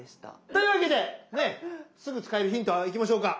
というわけでねすぐ使えるヒントいきましょうか。